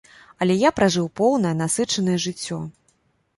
Але я пражыў поўнае, насычанае жыццё.